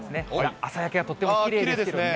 朝焼けがとってもきれいですけれどもね。